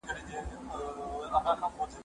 و دهقان ته يې ورپېښ کړل تاوانونه